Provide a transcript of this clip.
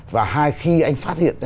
và hai khi anh phát hiện